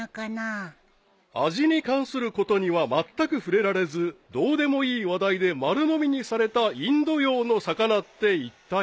［味に関することにはまったく触れられずどうでもいい話題で丸のみにされたインド洋の魚っていったい］